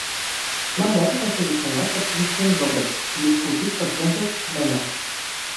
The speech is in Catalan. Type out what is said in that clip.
L'anvers va ser dissenyat per Christian Gobrecht i esculpit per Joseph Menna.